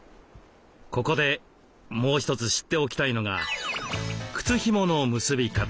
ここでもう一つ知っておきたいのが靴ひもの結び方。